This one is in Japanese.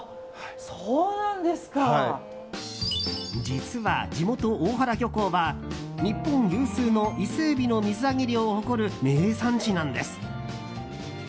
実は、地元・大原漁港は日本有数の伊勢えびの水揚げ量を誇る名産地なんです。